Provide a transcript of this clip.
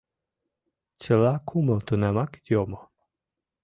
Чыла кумыл тунамак йомо.